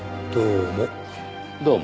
どうも。